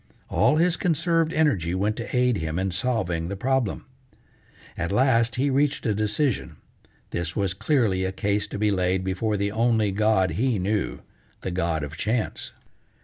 All his conserved energy went to aid him in solving the problem. At last he reached a decision: this was clearly a case to be laid before the only god be knew, the god of Chance.